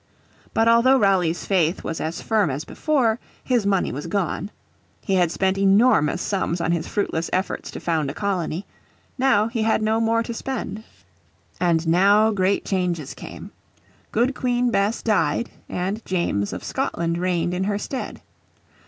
But although Raleigh's faith was as firm as before, his money was gone. He had spent enormous sums on his fruitless efforts to found a colony. Now he had no more to spend. And now great changes came. Good Queen Bess died and James of Scotland reigned in her stead.